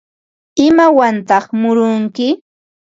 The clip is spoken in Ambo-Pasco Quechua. ¿Imawantaq murunki?